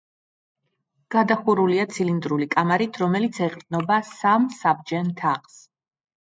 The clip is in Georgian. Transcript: გადახურულია ცილინდრული კამარით, რომელიც ეყრდნობა სამ საბჯენ თაღს.